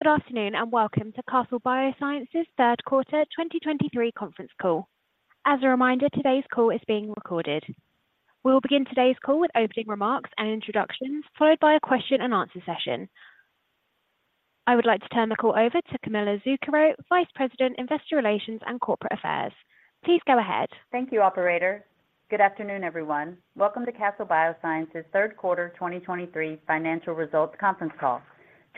Good afternoon, and welcome to Castle Biosciences' Third Quarter 2023 Conference Call. As a reminder, today's call is being recorded. We will begin today's call with opening remarks and introductions, followed by a question-and-answer session. I would like to turn the call over to Camilla Zuckero, Vice President, Investor Relations and Corporate Affairs. Please go ahead. Thank you, Operator. Good afternoon, everyone. Welcome to Castle Biosciences' third quarter 2023 financial results conference call.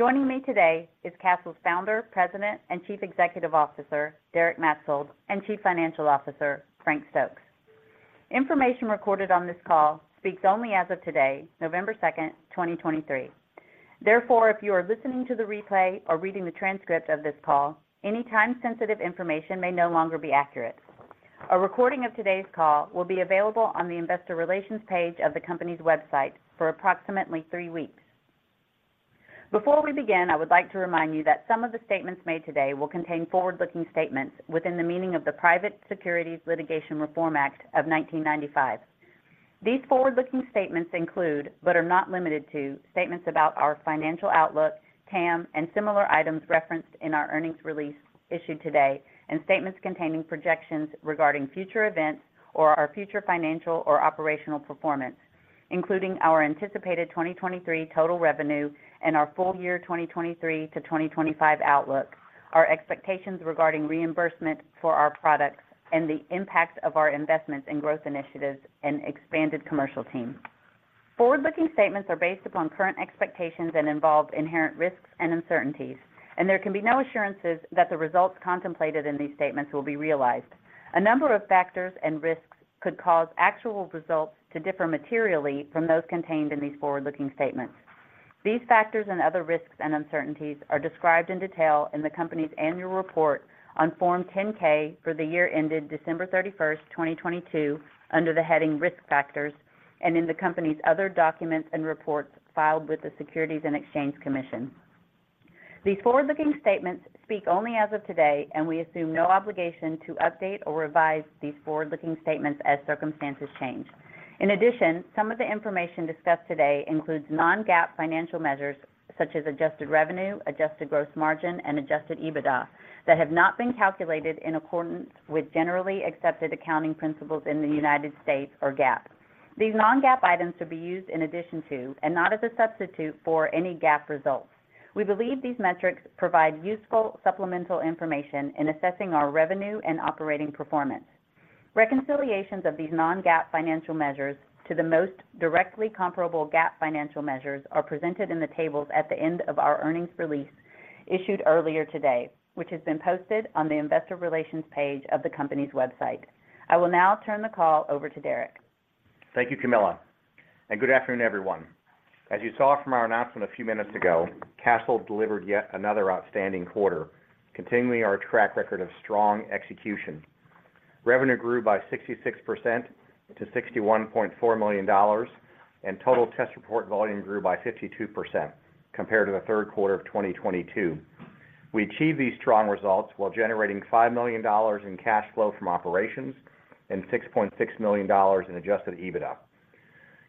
Joining me today is Castle's Founder, President, and Chief Executive Officer, Derek Maetzold, and Chief Financial Officer, Frank Stokes. Information recorded on this call speaks only as of today, November 2nd, 2023. Therefore, if you are listening to the replay or reading the transcript of this call, any time-sensitive information may no longer be accurate. A recording of today's call will be available on the investor relations page of the company's website for approximately three weeks. Before we begin, I would like to remind you that some of the statements made today will contain forward-looking statements within the meaning of the Private Securities Litigation Reform Act of 1995. These forward-looking statements include, but are not limited to, statements about our financial outlook, TAM, and similar items referenced in our earnings release issued today, and statements containing projections regarding future events or our future financial or operational performance, including our anticipated 2023 total revenue and our full year 2023-2025 outlook, our expectations regarding reimbursement for our products, and the impact of our investments in growth initiatives and expanded commercial team. Forward-looking statements are based upon current expectations and involve inherent risks and uncertainties, and there can be no assurances that the results contemplated in these statements will be realized. A number of factors and risks could cause actual results to differ materially from those contained in these forward-looking statements. These factors and other risks and uncertainties are described in detail in the company's Annual Report on Form 10-K for the year ended December 31st, 2022, under the heading Risk Factors, and in the company's other documents and reports filed with the Securities and Exchange Commission. These forward-looking statements speak only as of today, and we assume no obligation to update or revise these forward-looking statements as circumstances change. In addition, some of the information discussed today includes non-GAAP financial measures such as adjusted revenue, adjusted gross margin, and adjusted EBITDA that have not been calculated in accordance with Generally Accepted Accounting Principles in the United States, or GAAP. These non-GAAP items should be used in addition to, and not as a substitute for, any GAAP results. We believe these metrics provide useful supplemental information in assessing our revenue and operating performance. Reconciliations of these non-GAAP financial measures to the most directly comparable GAAP financial measures are presented in the tables at the end of our earnings release issued earlier today, which has been posted on the investor relations page of the company's website. I will now turn the call over to Derek. Thank you, Camilla, and good afternoon, everyone. As you saw from our announcement a few minutes ago, Castle delivered yet another outstanding quarter, continuing our track record of strong execution. Revenue grew by 66% to $61.4 million, and total test report volume grew by 52% compared to the third quarter of 2022. We achieved these strong results while generating $5 million in cash flow from operations and $6.6 million in adjusted EBITDA.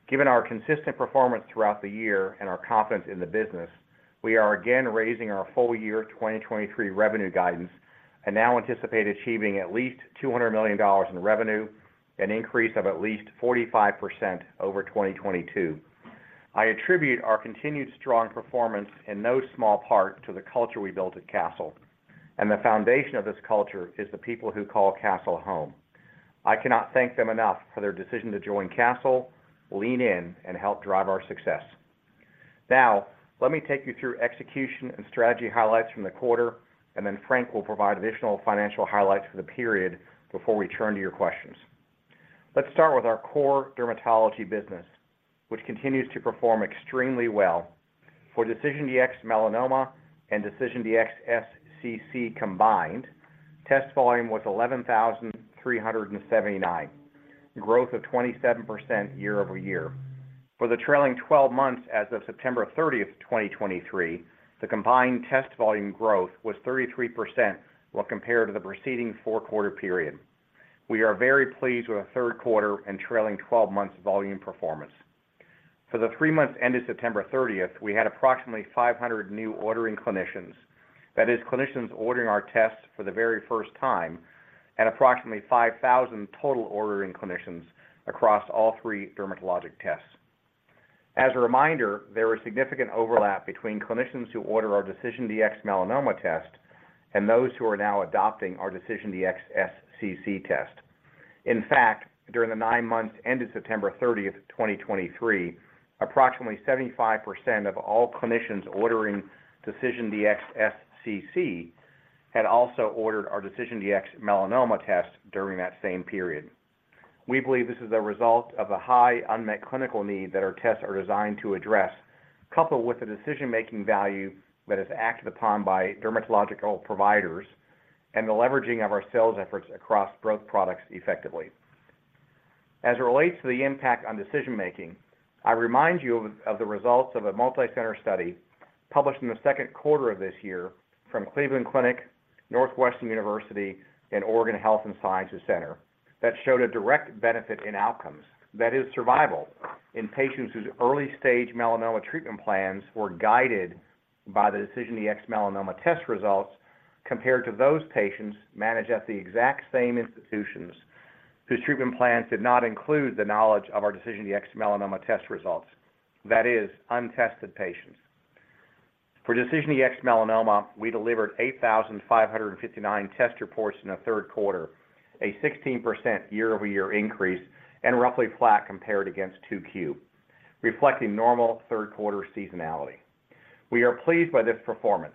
Given our consistent performance throughout the year and our confidence in the business, we are again raising our full year 2023 revenue guidance and now anticipate achieving at least $200 million in revenue, an increase of at least 45% over 2022. I attribute our continued strong performance in no small part to the culture we built at Castle, and the foundation of this culture is the people who call Castle home. I cannot thank them enough for their decision to join Castle, lean in, and help drive our success. Now, let me take you through execution and strategy highlights from the quarter, and then Frank will provide additional financial highlights for the period before we turn to your questions. Let's start with our core dermatology business, which continues to perform extremely well. For DecisionDx-Melanoma and DecisionDx-SCC combined, test volume was 11,379, growth of 27% year-over-year. For the trailing 12 months as of September 30th, 2023, the combined test volume growth was 33% while compared to the preceding four quarter period. We are very pleased with the third quarter and trailing twelve months volume performance. For the three months ended September 30th, we had approximately 500 new ordering clinicians. That is, clinicians ordering our tests for the very first time, at approximately 5,000 total ordering clinicians across all three dermatologic tests. As a reminder, there was significant overlap between clinicians who order our DecisionDx-Melanoma test and those who are now adopting our DecisionDx-SCC test. In fact, during the nine months ended September 30th, 2023, approximately 75% of all clinicians ordering DecisionDx-SCC had also ordered our DecisionDx-Melanoma test during that same period. We believe this is a result of a high unmet clinical need that our tests are designed to address, coupled with the decision-making value that is acted upon by dermatological providers and the leveraging of our sales efforts across both products effectively. As it relates to the impact on decision making, I remind you of, of the results of a multicenter study published in the second quarter of this year from Cleveland Clinic, Northwestern University, and Oregon Health & Science University, that showed a direct benefit in outcomes. That is survival in patients whose early-stage melanoma treatment plans were guided by the DecisionDx-Melanoma test results, compared to those patients managed at the exact same institutions, whose treatment plans did not include the knowledge of our DecisionDx-Melanoma test results. That is, untested patients. For DecisionDx-Melanoma, we delivered 8,559 test reports in the third quarter, a 16% year-over-year increase, and roughly flat compared against 2Q, reflecting normal third quarter seasonality. We are pleased by this performance.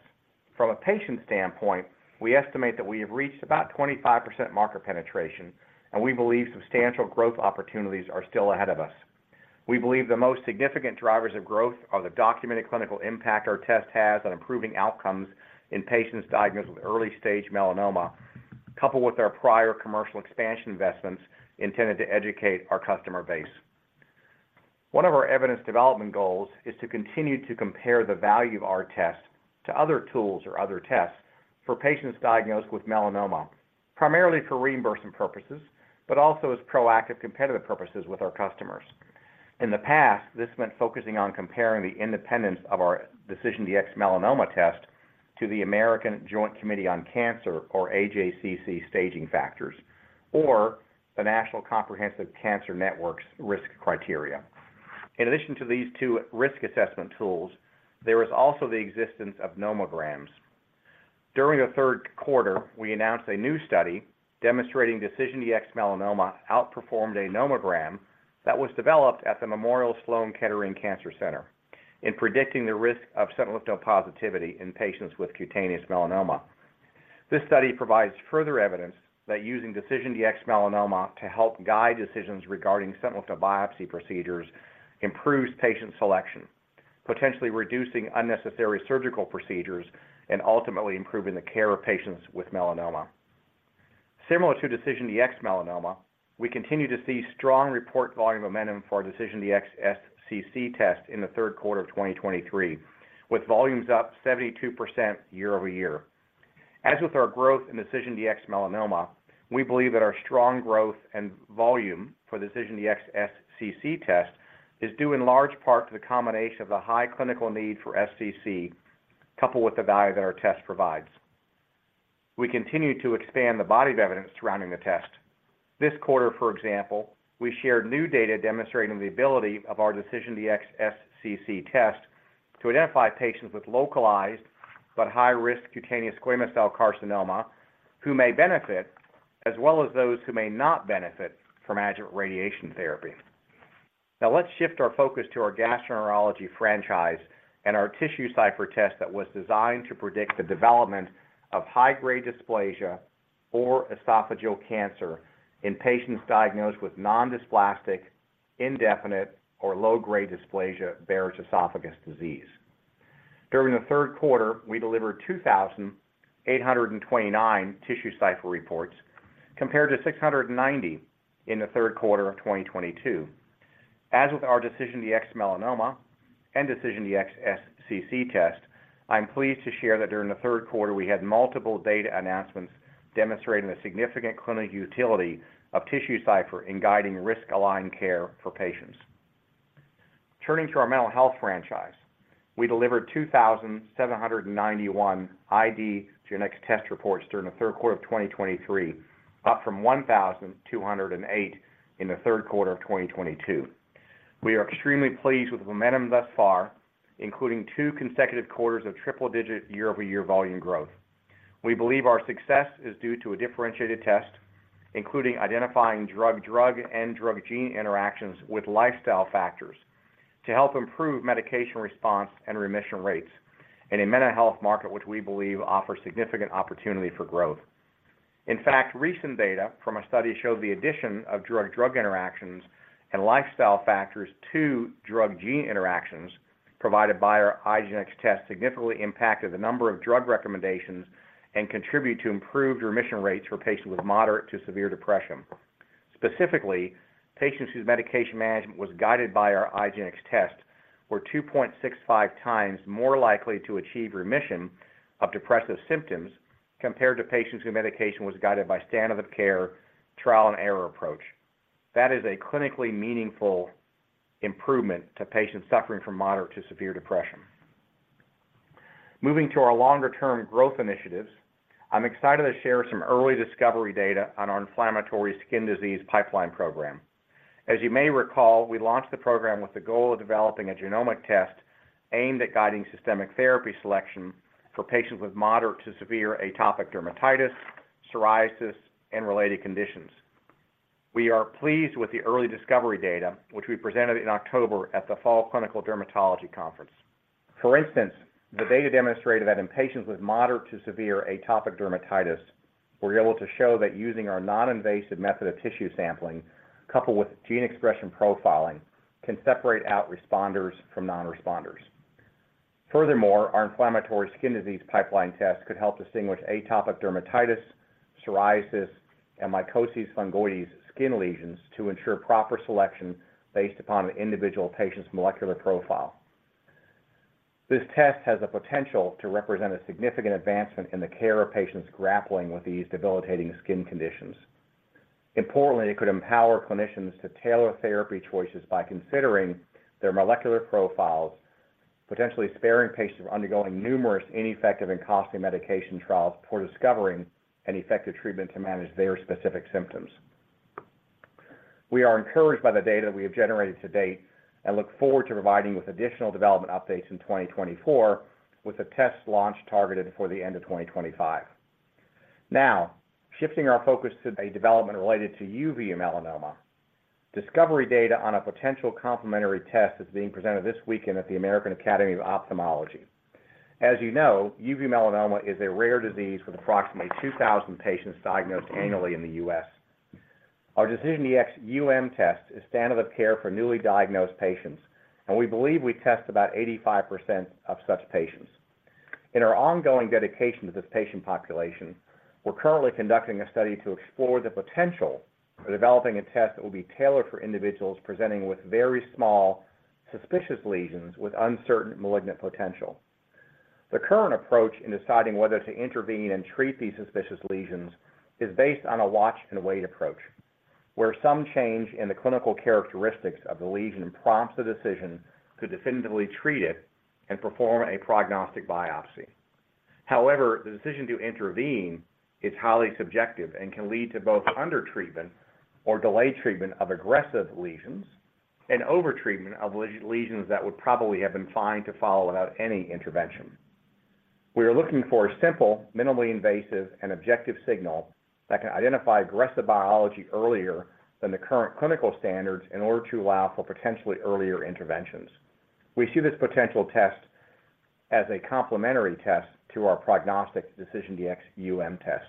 From a patient standpoint, we estimate that we have reached about 25% market penetration, and we believe substantial growth opportunities are still ahead of us. We believe the most significant drivers of growth are the documented clinical impact our test has on improving outcomes in patients diagnosed with early-stage melanoma, coupled with our prior commercial expansion investments intended to educate our customer base. One of our evidence development goals is to continue to compare the value of our test to other tools or other tests for patients diagnosed with melanoma, primarily for reimbursement purposes, but also as proactive competitive purposes with our customers. In the past, this meant focusing on comparing the independence of our DecisionDx-Melanoma test to the American Joint Committee on Cancer, or AJCC, staging factors, or the National Comprehensive Cancer Network's risk criteria. In addition to these two risk assessment tools, there is also the existence of nomograms. During the third quarter, we announced a new study demonstrating DecisionDx-Melanoma outperformed a nomogram that was developed at the Memorial Sloan Kettering Cancer Center in predicting the risk of sentinel lymph node positivity in patients with cutaneous melanoma. This study provides further evidence that using DecisionDx-Melanoma to help guide decisions regarding sentinel lymph node biopsy procedures improves patient selection, potentially reducing unnecessary surgical procedures and ultimately improving the care of patients with melanoma. Similar to DecisionDx-Melanoma, we continue to see strong report volume momentum for our DecisionDx-SCC test in the third quarter of 2023, with volumes up 72% year-over-year. As with our growth in DecisionDx-Melanoma, we believe that our strong growth and volume for the DecisionDx-SCC test is due in large part to the combination of the high clinical need for SCC, coupled with the value that our test provides. We continue to expand the body of evidence surrounding the test. This quarter, for example, we shared new data demonstrating the ability of our DecisionDx-SCC test to identify patients with localized but high-risk cutaneous squamous cell carcinoma who may benefit, as well as those who may not benefit from adjuvant radiation therapy. Now, let's shift our focus to our gastroenterology franchise and our TissueCypher test that was designed to predict the development of high-grade dysplasia or esophageal cancer in patients diagnosed with non-dysplastic, indefinite, or low-grade dysplasia Barrett's esophagus disease. During the third quarter, we delivered 2,829 TissueCypher reports, compared to 690 in the third quarter of 2022. As with our DecisionDx-Melanoma and DecisionDx-SCC test, I'm pleased to share that during the third quarter, we had multiple data announcements demonstrating the significant clinical utility of TissueCypher in guiding risk-aligned care for patients. Turning to our mental health franchise, we delivered 2,791 IDgenetix test reports during the third quarter of 2023, up from 1,208 in the third quarter of 2022. We are extremely pleased with the momentum thus far, including two consecutive quarters of triple-digit year-over-year volume growth. We believe our success is due to a differentiated test, including identifying drug-drug and drug-gene interactions with lifestyle factors, to help improve medication response and remission rates in a mental health market, which we believe offers significant opportunity for growth. In fact, recent data from a study showed the addition of drug-drug interactions and lifestyle factors to drug-gene interactions provided by our IDgenetix test, significantly impacted the number of drug recommendations and contribute to improved remission rates for patients with moderate to severe depression. Specifically, patients whose medication management was guided by our IDgenetix test were 2.65x more likely to achieve remission of depressive symptoms compared to patients whose medication was guided by standard of care, trial and error approach. That is a clinically meaningful improvement to patients suffering from moderate to severe depression. Moving to our longer-term growth initiatives, I'm excited to share some early discovery data on our inflammatory skin disease pipeline program. As you may recall, we launched the program with the goal of developing a genomic test aimed at guiding systemic therapy selection for patients with moderate to severe atopic dermatitis, psoriasis, and related conditions. We are pleased with the early discovery data, which we presented in October at the Fall Clinical Dermatology Conference. For instance, the data demonstrated that in patients with moderate to severe atopic dermatitis, we're able to show that using our non-invasive method of tissue sampling, coupled with gene expression profiling, can separate out responders from non-responders. Furthermore, our inflammatory skin disease pipeline test could help distinguish atopic dermatitis, psoriasis, and mycosis fungoides skin lesions to ensure proper selection based upon an individual patient's molecular profile. This test has the potential to represent a significant advancement in the care of patients grappling with these debilitating skin conditions. Importantly, it could empower clinicians to tailor therapy choices by considering their molecular profiles, potentially sparing patients from undergoing numerous ineffective and costly medication trials before discovering an effective treatment to manage their specific symptoms. We are encouraged by the data we have generated to date and look forward to providing you with additional development updates in 2024, with a test launch targeted for the end of 2025. Now, shifting our focus to a development related to uveal melanoma. Discovery data on a potential complementary test is being presented this weekend at the American Academy of Ophthalmology. As you know, uveal melanoma is a rare disease with approximately 2,000 patients diagnosed annually in the U.S. Our DecisionDx-UM test is standard of care for newly diagnosed patients, and we believe we test about 85% of such patients. In our ongoing dedication to this patient population, we're currently conducting a study to explore the potential for developing a test that will be tailored for individuals presenting with very small, suspicious lesions with uncertain malignant potential. The current approach in deciding whether to intervene and treat these suspicious lesions is based on a watch-and-wait approach, where some change in the clinical characteristics of the lesion prompts the decision to definitively treat it and perform a prognostic biopsy. However, the decision to intervene is highly subjective and can lead to both undertreatment or delayed treatment of aggressive lesions and overtreatment of lesions that would probably have been fine to follow without any intervention. We are looking for a simple, minimally invasive, and objective signal that can identify aggressive biology earlier than the current clinical standards in order to allow for potentially earlier interventions. We see this potential test as a complementary test to our prognostic DecisionDx-UM test.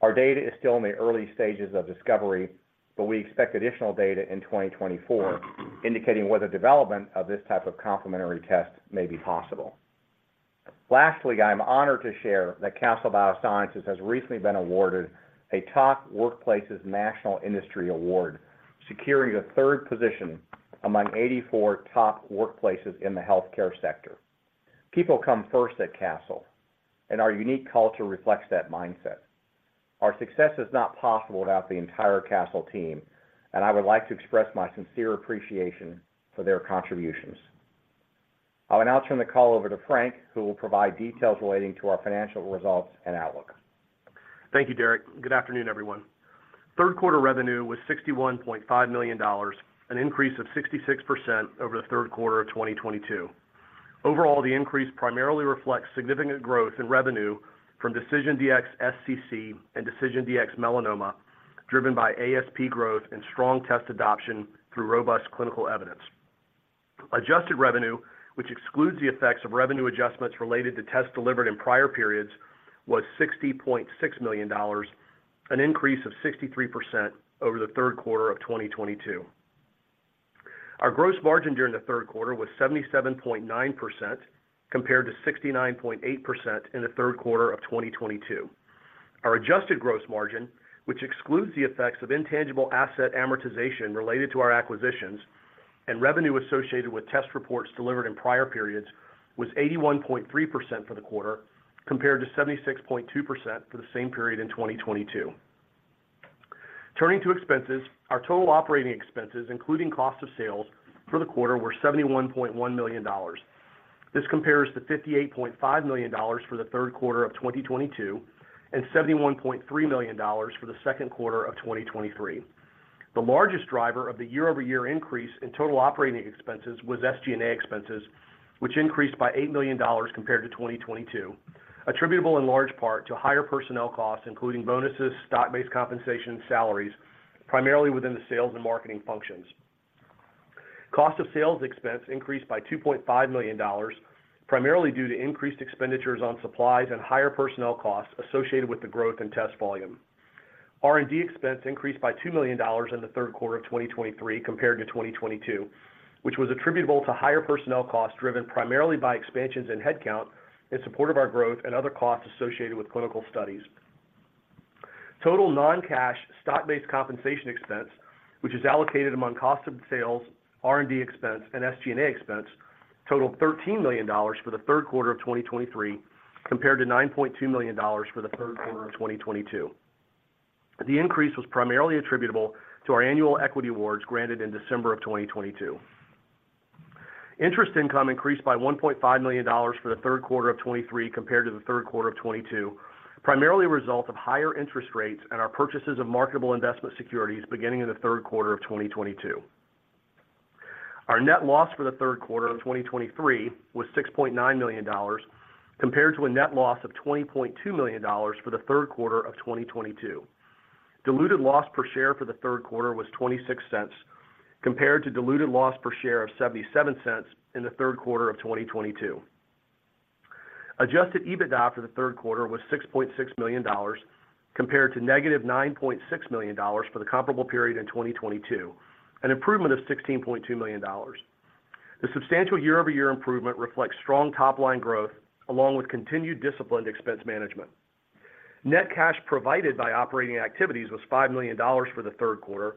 Our data is still in the early stages of discovery, but we expect additional data in 2024 indicating whether development of this type of complementary test may be possible. Lastly, I'm honored to share that Castle Biosciences has recently been awarded a Top Workplaces National Industry Award, securing the third position among 84 top workplaces in the healthcare sector. People come first at Castle, and our unique culture reflects that mindset. Our success is not possible without the entire Castle team, and I would like to express my sincere appreciation for their contributions. I will now turn the call over to Frank, who will provide details relating to our financial results and outlook. Thank you, Derek. Good afternoon, everyone. Third quarter revenue was $61.5 million, an increase of 66% over the third quarter of 2022. Overall, the increase primarily reflects significant growth in revenue from DecisionDx-SCC and DecisionDx-Melanoma, driven by ASP growth and strong test adoption through robust clinical evidence. Adjusted revenue, which excludes the effects of revenue adjustments related to tests delivered in prior periods, was $60.6 million, an increase of 63% over the third quarter of 2022. Our gross margin during the third quarter was 77.9%, compared to 69.8% in the third quarter of 2022. Our adjusted gross margin, which excludes the effects of intangible asset amortization related to our acquisitions and revenue associated with test reports delivered in prior periods, was 81.3% for the quarter, compared to 76.2% for the same period in 2022. Turning to expenses, our total operating expenses, including cost of sales for the quarter, were $71.1 million. This compares to $58.5 million for the third quarter of 2022, and $71.3 million for the second quarter of 2023. The largest driver of the year-over-year increase in total operating expenses was SG&A expenses, which increased by $8 million compared to 2022, attributable in large part to higher personnel costs, including bonuses, stock-based compensation, and salaries, primarily within the sales and marketing functions. Cost of sales expense increased by $2.5 million, primarily due to increased expenditures on supplies and higher personnel costs associated with the growth in test volume. R&D expense increased by $2 million in the third quarter of 2023 compared to 2022, which was attributable to higher personnel costs, driven primarily by expansions in headcount in support of our growth and other costs associated with clinical studies. Total non-cash stock-based compensation expense, which is allocated among cost of sales, R&D expense, and SG&A expense, totaled $13 million for the third quarter of 2023, compared to $9.2 million for the third quarter of 2022. The increase was primarily attributable to our annual equity awards granted in December of 2022. Interest income increased by $1.5 million for the third quarter of 2023 compared to the third quarter of 2022, primarily a result of higher interest rates and our purchases of marketable investment securities beginning in the third quarter of 2022. Our net loss for the third quarter of 2023 was $6.9 million, compared to a net loss of $20.2 million for the third quarter of 2022. Diluted loss per share for the third quarter was $0.26, compared to diluted loss per share of $0.77 in the third quarter of 2022. Adjusted EBITDA for the third quarter was $6.6 million, compared to -$9.6 million for the comparable period in 2022, an improvement of $16.2 million. The substantial year-over-year improvement reflects strong top-line growth along with continued disciplined expense management. Net cash provided by operating activities was $5 million for the third quarter,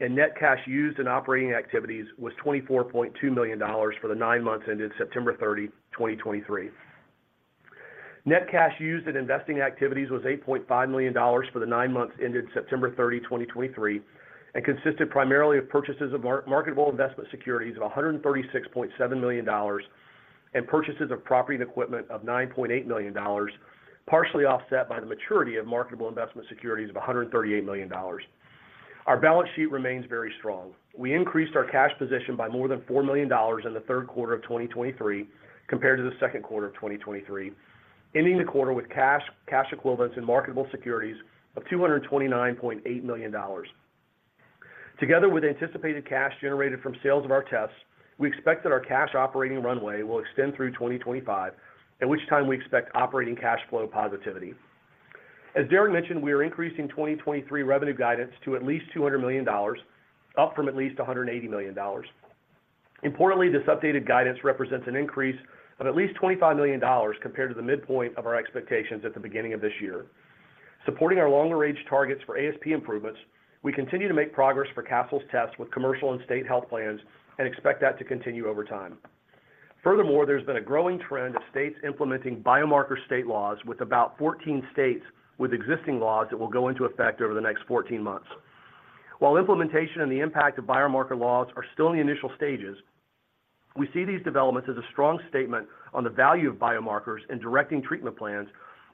and net cash used in operating activities was $24.2 million for the nine months ended September 30, 2023. Net cash used in investing activities was $8.5 million for the nine months ended September 30, 2023, and consisted primarily of purchases of marketable investment securities of $136.7 million and purchases of property and equipment of $9.8 million, partially offset by the maturity of marketable investment securities of $138 million. Our balance sheet remains very strong. We increased our cash position by more than $4 million in the third quarter of 2023, compared to the second quarter of 2023, ending the quarter with cash, cash equivalents and marketable securities of $229.8 million. Together with anticipated cash generated from sales of our tests, we expect that our cash operating runway will extend through 2025, at which time we expect operating cash flow positivity. As Derek mentioned, we are increasing 2023 revenue guidance to at least $200 million, up from at least $180 million. Importantly, this updated guidance represents an increase of at least $25 million compared to the midpoint of our expectations at the beginning of this year. Supporting our longer-range targets for ASP improvements, we continue to make progress for Castle's tests with commercial and state health plans and expect that to continue over time. Furthermore, there's been a growing trend of states implementing biomarker state laws with about 14 states with existing laws that will go into effect over the next 14 months. While implementation and the impact of biomarker laws are still in the initial stages, we see these developments as a strong statement on the value of biomarkers in directing treatment plans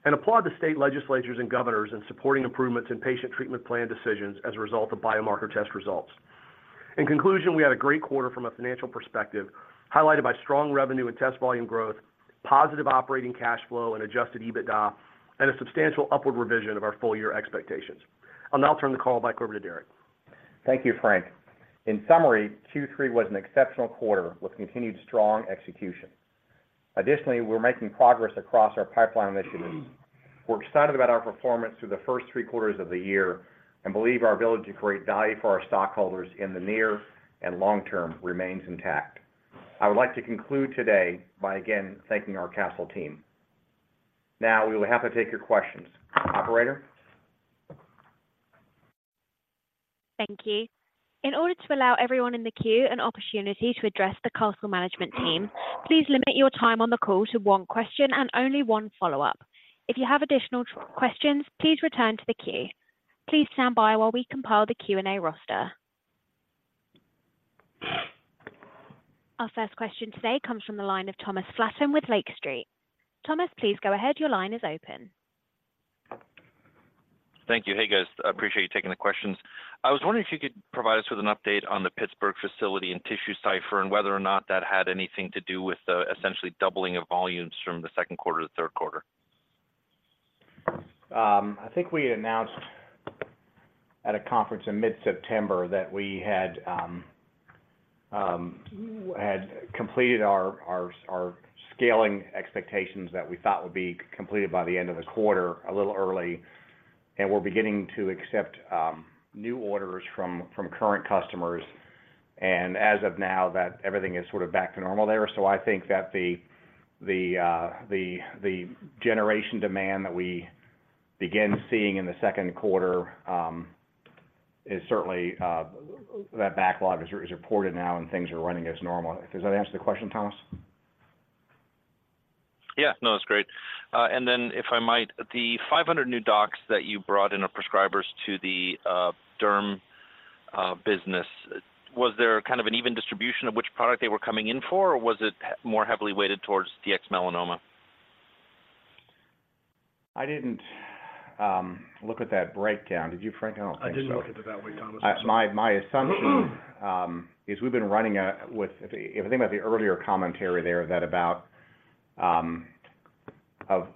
and applaud the state legislatures and governors in supporting improvements in patient treatment plan decisions as a result of biomarker test results. In conclusion, we had a great quarter from a financial perspective, highlighted by strong revenue and test volume growth, positive operating cash flow and adjusted EBITDA, and a substantial upward revision of our full year expectations. I'll now turn the call back over to Derek. Thank you, Frank. In summary, Q3 was an exceptional quarter with continued strong execution. Additionally, we're making progress across our pipeline initiatives. We're excited about our performance through the first three quarters of the year and believe our ability to create value for our stockholders in the near and long term remains intact. I would like to conclude today by again thanking our Castle team. Now, we will be happy to take your questions. Operator? Thank you. In order to allow everyone in the queue an opportunity to address the Castle management team, please limit your time on the call to one question and only one follow-up. If you have additional questions, please return to the queue. Please stand by while we compile the Q&A roster. Our first question today comes from the line of Thomas Flaten with Lake Street. Thomas, please go ahead. Your line is open. Thank you. Hey, guys. I appreciate you taking the questions. I was wondering if you could provide us with an update on the Pittsburgh facility and TissueCypher, and whether or not that had anything to do with the essentially doubling of volumes from the second quarter to the third quarter? I think we announced at a conference in mid-September that we had had completed our scaling expectations that we thought would be completed by the end of the quarter, a little early, and we're beginning to accept new orders from current customers, and as of now, that everything is sort of back to normal there. So I think that the generation demand that we begin seeing in the second quarter is certainly that backlog is reported now and things are running as normal. Does that answer the question, Thomas? Yeah. No, that's great. And then if I might, the 500 new docs that you brought in are prescribers to the derm business. Was there kind of an even distribution of which product they were coming in for, or was it more heavily weighted towards the Dx-Melanoma? I didn't look at that breakdown. Did you, Frank? I don't think so. I didn't look at it that way, Thomas. My assumption is, if I think about the earlier commentary there, that about of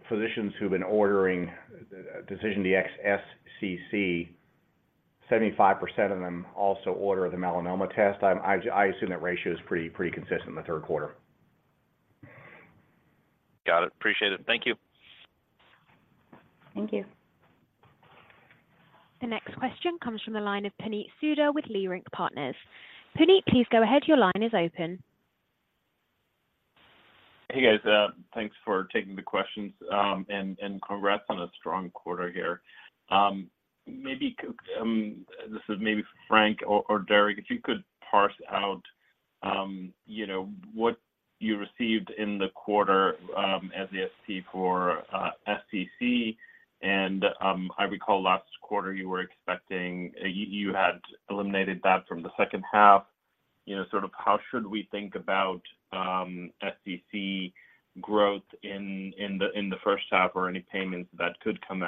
physicians who've been ordering DecisionDx-SCC, 75% of them also order the melanoma test. I assume that ratio is pretty consistent in the third quarter. Got it. Appreciate it. Thank you. Thank you. The next question comes from the line of Puneet Souda with Leerink Partners. Puneet, please go ahead. Your line is open. Hey, guys, thanks for taking the questions, and congrats on a strong quarter here. Maybe this is maybe for Frank or Derek, if you could parse out, you know, what you received in the quarter, as ASP for SCC, and I recall last quarter you were expecting, you had eliminated that from the second half. You know, sort of how should we think about SCC growth in the first half or any payments that could come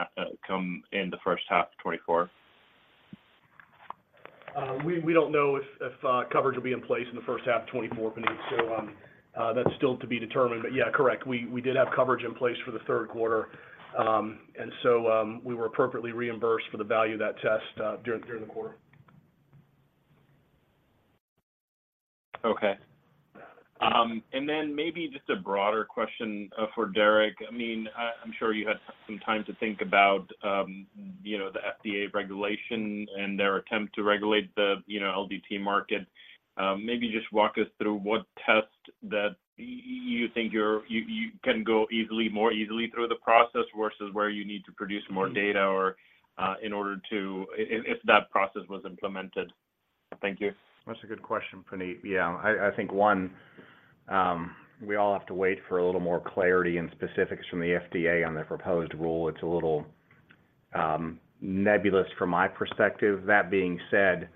in the first half of 2024? We don't know if coverage will be in place in the first half of 2024, Puneet, so that's still to be determined. But yeah, correct, we did have coverage in place for the third quarter, and so we were appropriately reimbursed for the value of that test during the quarter. Okay. And then maybe just a broader question for Derek. I mean, I'm sure you had some time to think about the-... you know, the FDA regulation and their attempt to regulate the, you know, LDT market, maybe just walk us through what test that you think you can go easily, more easily through the process versus where you need to produce more data or, in order to- if that process was implemented. Thank you. That's a good question, Puneet. Yeah, I, I think, one, we all have to wait for a little more clarity and specifics from the FDA on their proposed rule. It's a little nebulous from my perspective. That being said,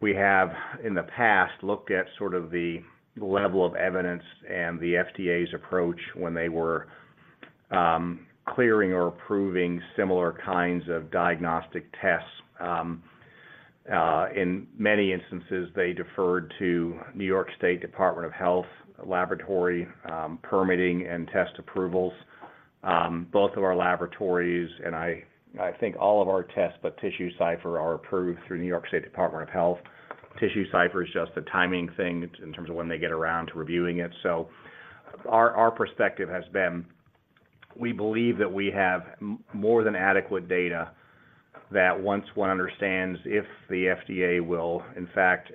we have, in the past, looked at sort of the level of evidence and the FDA's approach when they were clearing or approving similar kinds of diagnostic tests. In many instances, they deferred to New York State Department of Health Laboratory permitting and test approvals. Both of our laboratories, and I, I think all of our tests, but TissueCypher, are approved through New York State Department of Health. TissueCypher is just a timing thing in terms of when they get around to reviewing it. So our perspective has been, we believe that we have more than adequate data, that once one understands if the FDA will, in fact,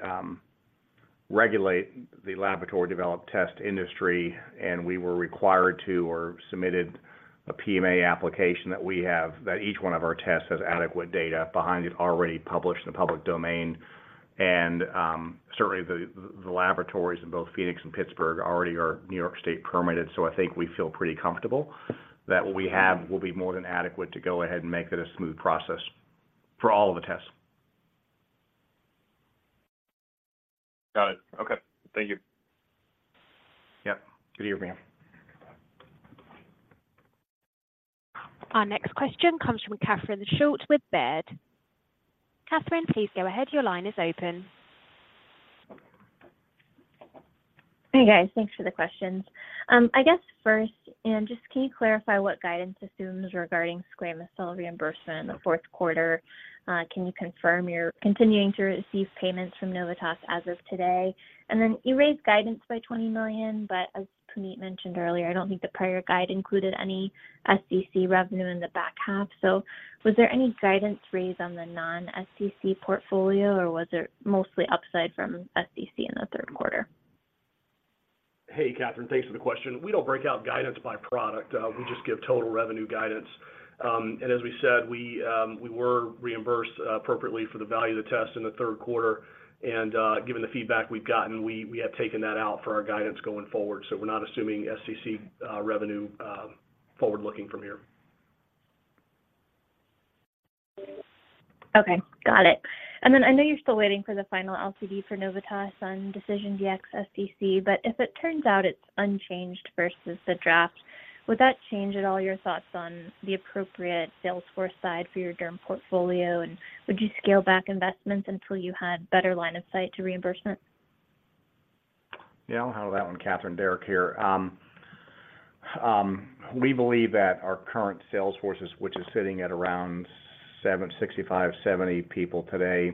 regulate the Laboratory Developed Test industry, and we were required to or submitted a PMA application that we have, that each one of our tests has adequate data behind it, already published in the public domain. Certainly the laboratories in both Phoenix and Pittsburgh already are New York State permitted. So I think we feel pretty comfortable that what we have will be more than adequate to go ahead and make it a smooth process for all of the tests. Got it. Okay. Thank you. Yep. Good to hear from you. Our next question comes from Catherine Schulte with Baird. Catherine, please go ahead. Your line is open. Hey, guys. Thanks for the questions. I guess first, and just can you clarify what guidance assumes regarding squamous cell reimbursement in the fourth quarter? Can you confirm you're continuing to receive payments from Novitas as of today? And then you raised guidance by $20 million, but as Puneet mentioned earlier, I don't think the prior guide included any SCC revenue in the back half. So was there any guidance raise on the non-SCC portfolio, or was it mostly upside from SCC in the third quarter? Hey, Catherine, thanks for the question. We don't break out guidance by product. We just give total revenue guidance. As we said, we were reimbursed appropriately for the value of the test in the third quarter, and given the feedback we've gotten, we have taken that out for our guidance going forward. We're not assuming SCC revenue forward-looking from here. Okay. Got it. And then I know you're still waiting for the final LCD for Novitas on DecisionDx-SCC, but if it turns out it's unchanged versus the draft, would that change at all your thoughts on the appropriate sales force side for your derm portfolio? And would you scale back investments until you had better line of sight to reimbursement? Yeah, I'll handle that one, Catherine. Derek here. We believe that our current sales forces, which is sitting at around 75, 70 people today,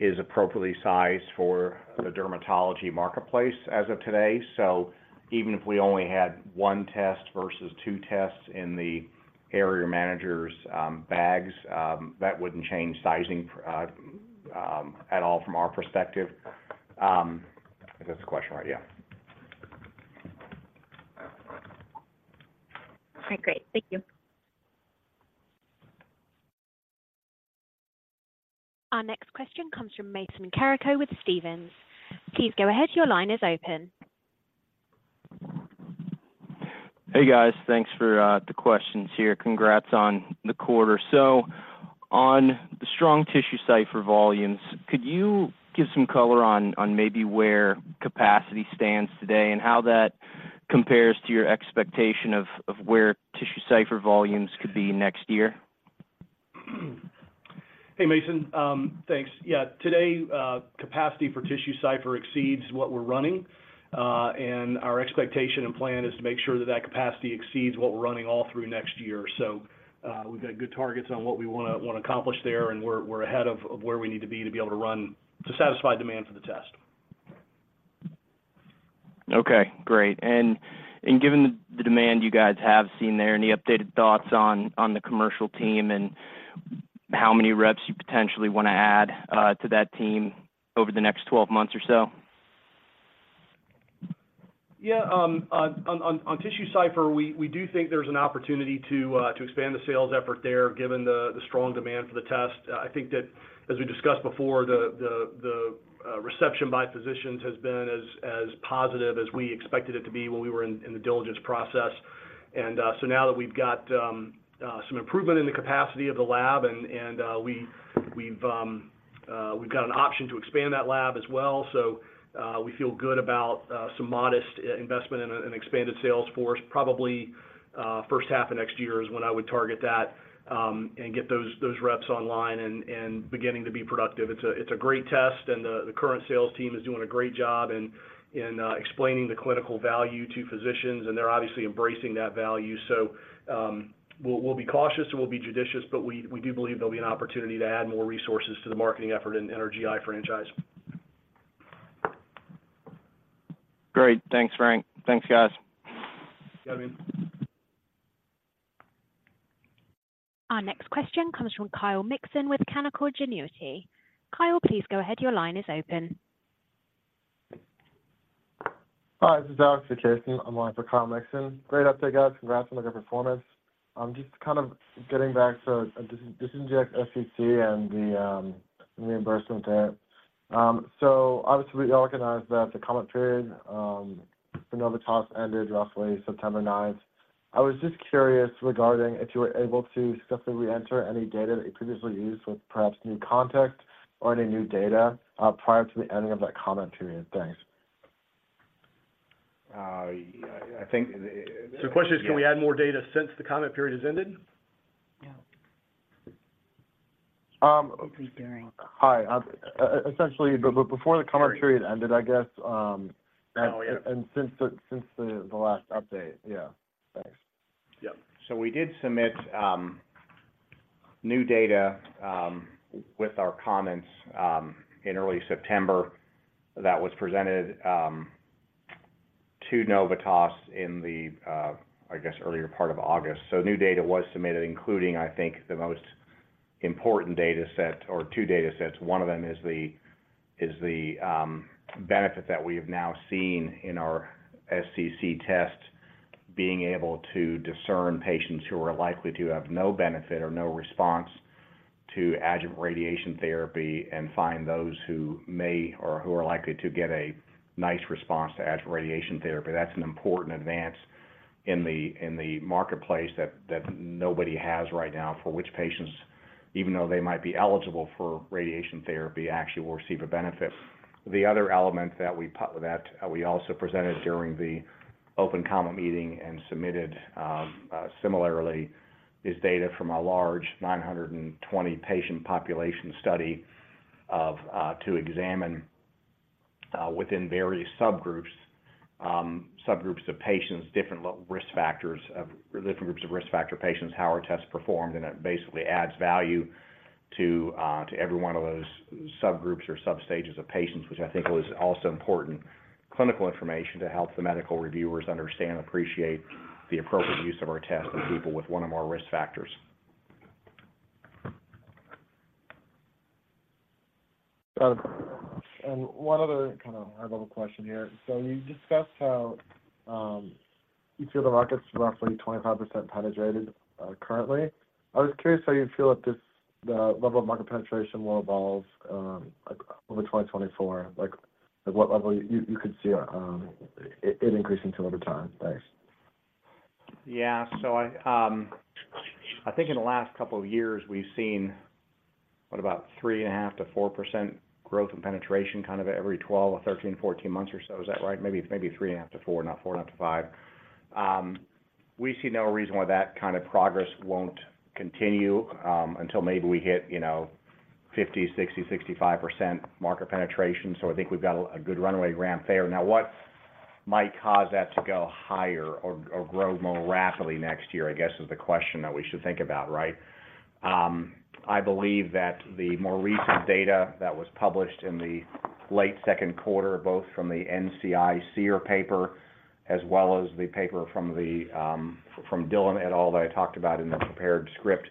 is appropriately sized for the dermatology marketplace as of today. So even if we only had one test versus two tests in the area managers', bags, that wouldn't change sizing at all from our perspective. I think that's the question, right? Yeah. All right, great. Thank you. Our next question comes from Mason Carrico with Stephens. Please go ahead. Your line is open. Hey, guys. Thanks for the questions here. Congrats on the quarter. So on the strong TissueCypher volumes, could you give some color on maybe where capacity stands today and how that compares to your expectation of where TissueCypher volumes could be next year? Hey, Mason, thanks. Yeah, today, capacity for TissueCypher exceeds what we're running, and our expectation and plan is to make sure that that capacity exceeds what we're running all through next year. So, we've got good targets on what we wanna accomplish there, and we're ahead of where we need to be to be able to run... to satisfy demand for the test. Okay, great. And given the demand you guys have seen there, any updated thoughts on the commercial team and how many reps you potentially wanna add to that team over the next 12 months or so? Yeah, on TissueCypher, we do think there's an opportunity to expand the sales effort there, given the strong demand for the test. I think that, as we discussed before, the reception by physicians has been as positive as we expected it to be when we were in the diligence process. And so now that we've got some improvement in the capacity of the lab and we've got an option to expand that lab as well. So we feel good about some modest investment in an expanded sales force. Probably first half of next year is when I would target that, and get those reps online and beginning to be productive. It's a, it's a great test, and the, the current sales team is doing a great job in, in explaining the clinical value to physicians, and they're obviously embracing that value. So, we'll, we'll be cautious and we'll be judicious, but we, we do believe there'll be an opportunity to add more resources to the marketing effort in, in our GI franchise. Great. Thanks, Frank. Thanks, guys. You got me. Our next question comes from Kyle Mixon with Canaccord Genuity. Kyle, please go ahead. Your line is open. Hi, this is Alex Vukasin. I'm on for Kyle Mixon. Great update, guys. Congrats on a good performance. Just kind of getting back to DecisionDx-SCC and the reimbursement there. So obviously, we recognize that the comment period for Novitas ended roughly September ninth. I was just curious regarding if you were able to successfully reenter any data that you previously used with perhaps new context or any new data prior to the ending of that comment period? Thanks. I think- The question is, can we add more data since the comment period has ended? Yeah. Um. It's very- Hi. Essentially, before the comment period ended, I guess. Oh, yeah. And since the last update. Yeah. Thanks. Yep. We did submit new data with our comments in early September. That was presented to Novitas in the, I guess, earlier part of August. New data was submitted, including, I think, the most important data set or two data sets. One of them is the benefit that we have now seen in our SCC test, being able to discern patients who are likely to have no benefit or no response to adjuvant radiation therapy and find those who may or who are likely to get a nice response to adjuvant radiation therapy. That's an important advance in the marketplace that nobody has right now, for which patients, even though they might be eligible for radiation therapy, actually will receive a benefit. The other element that we also presented during the open comment meeting and submitted, similarly, is data from a large 920 patient population study to examine within various subgroups, subgroups of patients, different risk factors, different groups of risk factor patients, how our tests performed, and it basically adds value to every one of those subgroups or substages of patients, which I think was also important clinical information to help the medical reviewers understand and appreciate the appropriate use of our test in people with one or more risk factors. Got it. One other kind of high-level question here. So you discussed how you feel the market's roughly 25% penetrated currently. I was curious how you feel that this, the level of market penetration will evolve like over 2024? Like, at what level you could see it increasing to over time? Thanks. Yeah. So I, I think in the last couple of years, we've seen, what about 3.5%-4% growth in penetration, kind of every 12 or 13, 14 months or so. Is that right? Maybe, maybe 3.5%-4%, not 4.5%-5%. We see no reason why that kind of progress won't continue until maybe we hit, you know, 50, 60, 65% market penetration. So I think we've got a good runway ramp there. Now, what might cause that to go higher or grow more rapidly next year, I guess, is the question that we should think about, right? I believe that the more recent data that was published in the late second quarter, both from the NCI SEER paper, as well as the paper from Dhillon et al., that I talked about in the prepared script,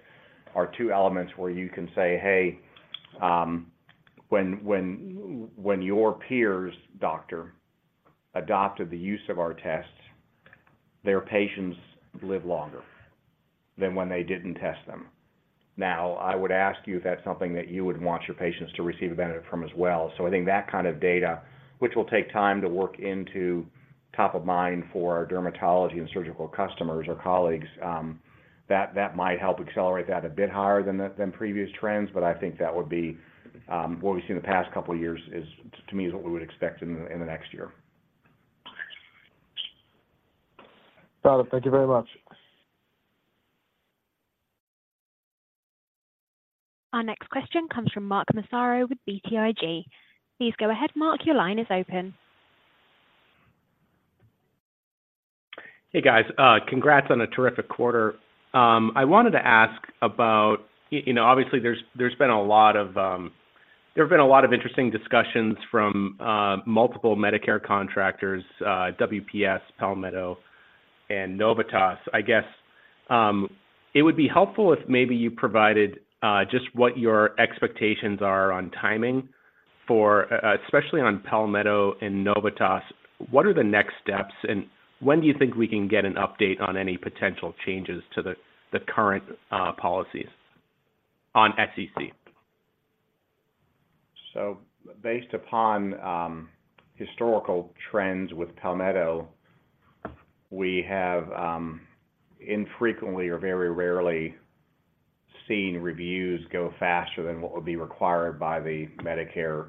are two elements where you can say, "Hey, when your peers, doctor, adopted the use of our tests, their patients live longer than when they didn't test them. Now, I would ask you if that's something that you would want your patients to receive a benefit from as well." So I think that kind of data, which will take time to work into top of mind for our dermatology and surgical customers or colleagues, that might help accelerate that a bit higher than the previous trends, but I think that would be... What we've seen in the past couple of years is, to me, what we would expect in the next year. Got it. Thank you very much. Our next question comes from Mark Massaro with BTIG. Please go ahead, Mark, your line is open. Hey, guys, congrats on a terrific quarter. I wanted to ask about... you know, obviously there have been a lot of interesting discussions from multiple Medicare contractors, WPS, Palmetto, and Novitas. I guess it would be helpful if maybe you provided just what your expectations are on timing for, especially on Palmetto and Novitas. What are the next steps, and when do you think we can get an update on any potential changes to the current policies on SCC? So based upon historical trends with Palmetto, we have infrequently or very rarely seen reviews go faster than what would be required by the Medicare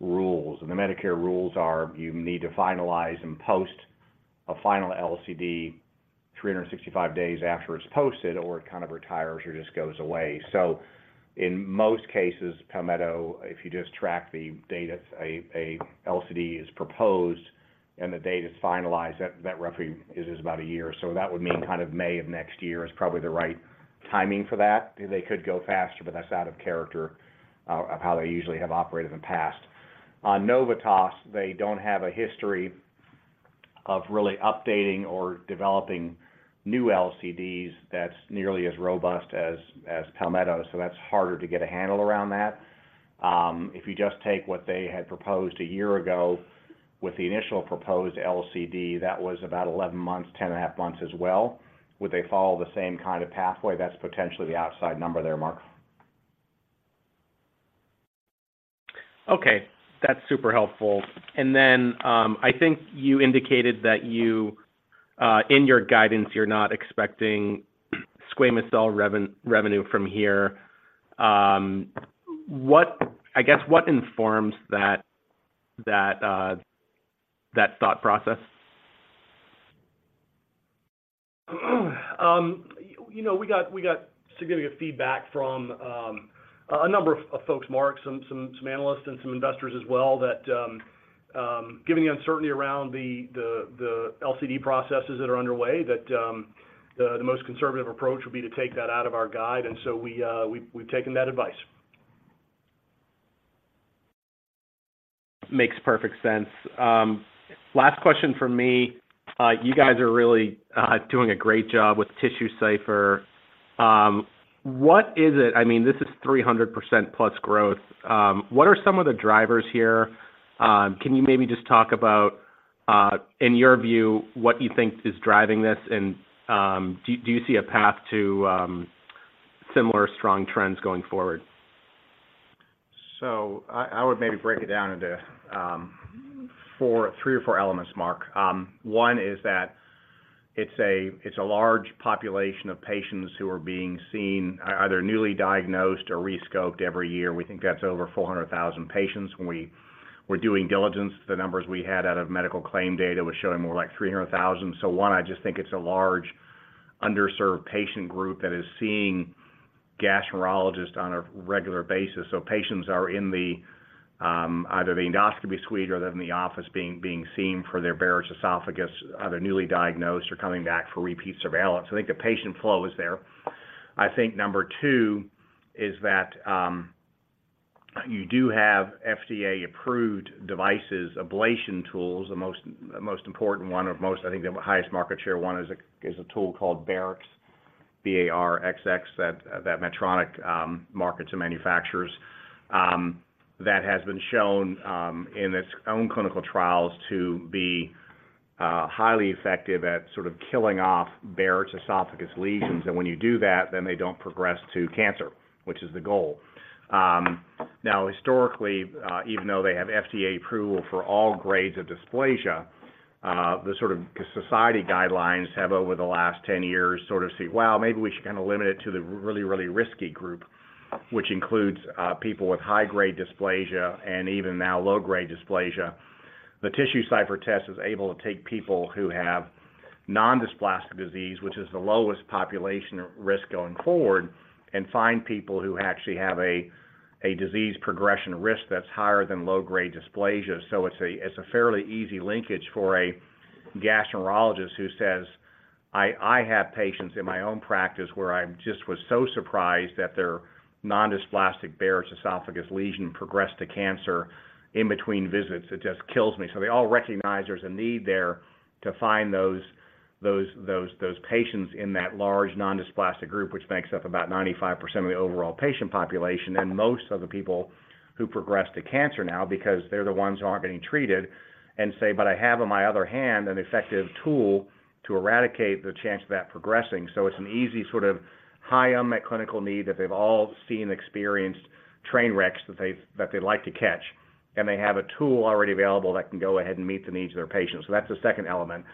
rules. And the Medicare rules are: you need to finalize and post a final LCD 365 days after it's posted, or it kind of retires or just goes away. So in most cases, Palmetto, if you just track the date a LCD is proposed and the date it's finalized, that roughly is about a year. So that would mean kind of May of next year is probably the right timing for that. They could go faster, but that's out of character of how they usually have operated in the past. On Novitas, they don't have a history of really updating or developing new LCDs that's nearly as robust as Palmetto, so that's harder to get a handle around that. If you just take what they had proposed a year ago with the initial proposed LCD, that was about 11 months, 10.5 months as well. Would they follow the same kind of pathway? That's potentially the outside number there, Mark. Okay, that's super helpful. And then, I think you indicated that in your guidance, you're not expecting squamous cell revenue from here. I guess, what informs that thought process? You know, we got significant feedback from a number of folks, Mark, some analysts and some investors as well, that giving the uncertainty around the LCD processes that are underway, that the most conservative approach would be to take that out of our guide, and so we've taken that advice. Makes perfect sense. Last question from me. You guys are really doing a great job with TissueCypher. What is it... I mean, this is 300%+ growth. What are some of the drivers here? Can you maybe just talk about, in your view, what you think is driving this, and, do you see a path to similar strong trends going forward? So I would maybe break it down into three or four elements, Mark. One is that it's a large population of patients who are being seen, either newly diagnosed or re-scoped every year. We think that's over 400,000 patients. When we were doing diligence, the numbers we had out of medical claim data was showing more like 300,000. So one, I just think it's a large, underserved patient group that is seeing gastroenterologists on a regular basis. So patients are in the either in the endoscopy suite or they're in the office being seen for their Barrett's esophagus, either newly diagnosed or coming back for repeat surveillance. I think the patient flow is there. I think number two is that you do have FDA-approved devices, ablation tools. The most important one, I think, the highest market share one is a tool called Barrx, B-A-R-R-X, that Medtronic markets and manufactures. That has been shown in its own clinical trials to be highly effective at sort of killing off Barrett's esophagus lesions, and when you do that, then they don't progress to cancer, which is the goal. Now, historically, even though they have FDA approval for all grades of dysplasia, the sort of society guidelines have, over the last 10 years, sort of said, "Well, maybe we should kind of limit it to the really, really risky group," which includes people with high-grade dysplasia and even now low-grade dysplasia. The TissueCypher test is able to take people who have non-dysplastic disease, which is the lowest population risk going forward, and find people who actually have a disease progression risk that's higher than low-grade dysplasia. So it's a fairly easy linkage for a gastroenterologist who says, "I have patients in my own practice where I just was so surprised that their non-dysplastic Barrett's esophagus lesion progressed to cancer in between visits. It just kills me." So they all recognize there's a need there to find those patients in that large non-dysplastic group, which makes up about 95% of the overall patient population, and most of the people who progress to cancer now, because they're the ones who aren't getting treated and say, "But I have, on my other hand, an effective tool to eradicate the chance of that progressing." So it's an easy sort of high unmet clinical need that they've all seen and experienced train wrecks that they've that they'd like to catch, and they have a tool already available that can go ahead and meet the needs of their patients. So that's the second element.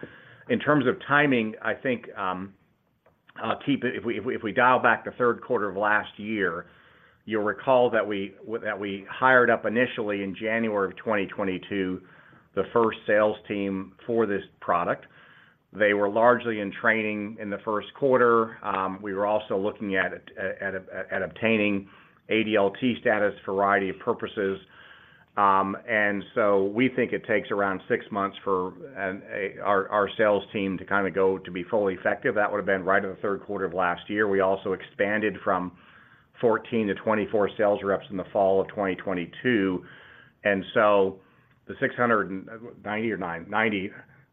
In terms of timing, I think, keep it... If we dial back to the third quarter of last year, you'll recall that we hired up initially in January of 2022, the first sales team for this product. They were largely in training in the first quarter. We were also looking at obtaining ADLT status for a variety of purposes. And so we think it takes around six months for our sales team to kind of go to be fully effective. That would have been right in the third quarter of last year. We also expanded from 14 to 24 sales reps in the fall of 2022, and so the 690 or 90?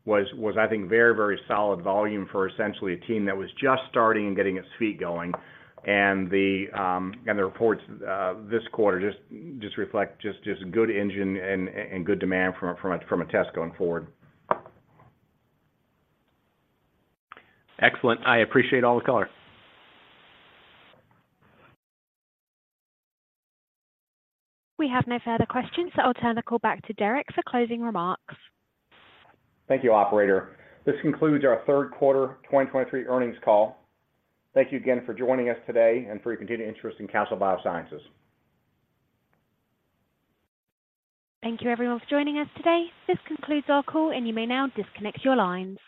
was, I think, very, very solid volume for essentially a team that was just starting and getting its feet going. The reports this quarter just reflect good engine and good demand from a test going forward. Excellent. I appreciate all the color. We have no further questions, so I'll turn the call back to Derek for closing remarks. Thank you, Operator. This concludes our third quarter 2023 earnings call. Thank you again for joining us today and for your continued interest in Castle Biosciences. Thank you everyone for joining us today. This concludes our call, and you may now disconnect your lines.